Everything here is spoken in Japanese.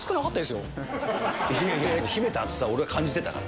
いやいや、秘めた熱さを俺は感じてたから。